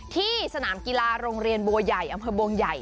ที่สนามกีฬาโรงเรียนบัวใหญ่อำเภอบัวใหญ่